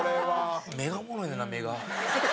目がおもろいねんな目が。